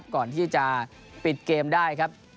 ก่อนที่จะปิดเกมได้ครับ